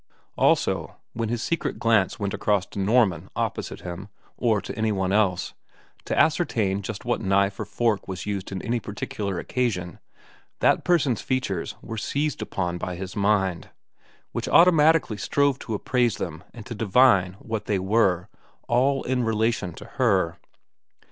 Also, when his secret glance went across to Norman opposite him, or to any one else, to ascertain just what knife or fork was to be used in any particular occasion, that person's features were seized upon by his mind, which automatically strove to appraise them and to divine what they were—all in relation to her.